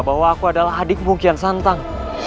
bahwa aku adalah adikmu kian santang